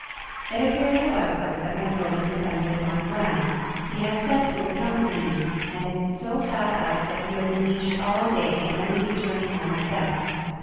It appeared; however, that my going depended upon Graham; he had said he would accompany, me, and it so fell out that he was engaged all day, and only returned home at dusk.